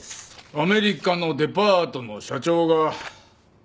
アメリカのデパートの社長がなぜあの絵を？